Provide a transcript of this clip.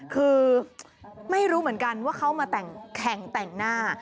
คือไม่รู้เหมือนกันว่าเขามาแข่งแต่งหน้า